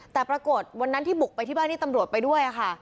แต่ปรากฏวันนั้นที่บุกไปที่บ้านที่ตำรวจไปด้วยค่ะ